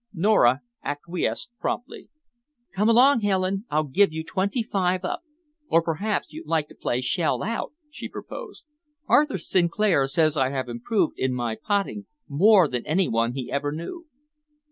Nora acquiesced promptly. "Come along, Helen, I'll give you twenty five up. Or perhaps you'd like to play shell out?" she proposed. "Arthur Sinclair says I have improved in my potting more than any one he ever knew."